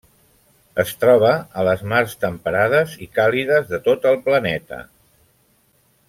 Es troba a les mars temperades i càlides de tot el planeta.